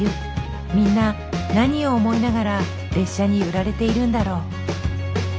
みんな何を思いながら列車に揺られているんだろう。